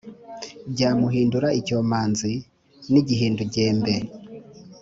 byamuhindura icyomanzi cy’igihindugembe.